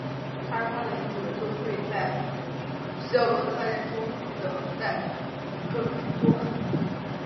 他和他的领主们就睡在希奥罗特大殿中去等待哥伦多。